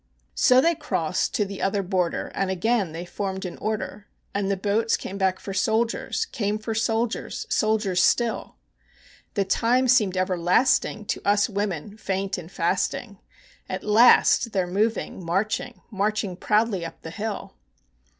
So they crossed to the other border, and again they formed in order; And the boats came back for soldiers, came for soldiers, soldiers still: The time seemed everlasting to us women faint and fasting, At last they're moving, marching, marching proudly up the hill.